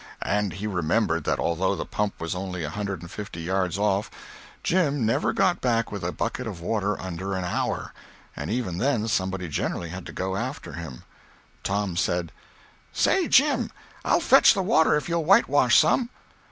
And he remembered that although the pump was only a hundred and fifty yards off, Jim never got back with a bucket of water under an hour—and even then somebody generally had to go after him. Tom said: "Say, Jim, I'll fetch the water if you'll whitewash some."